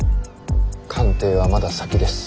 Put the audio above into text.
官邸はまだ先です。